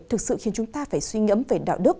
thực sự khiến chúng ta phải suy ngẫm về đạo đức